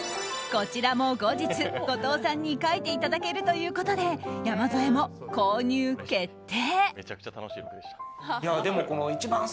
こちらも後日、後藤さんに描いていただけるということで山添も購入決定。